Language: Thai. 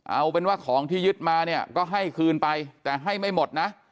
เอาเป็นว่าของที่ยึดมาเนี่ยก็ให้คืนไปแต่ให้ไม่หมดนะ